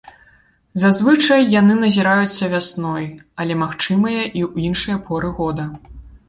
Зазвычай, яны назіраюцца вясной, але магчымыя і ў іншыя поры года.